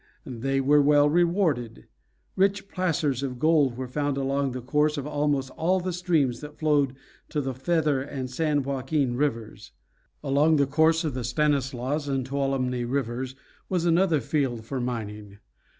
They were well rewarded. Rich placers of gold were found along the course of almost all the streams that flowed to the Feather and San Joaquin Rivers. Along the course of the Stanislaus and Toulumne Rivers was another field for mining.